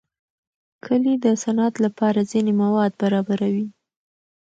کلي د صنعت لپاره ځینې مواد برابروي.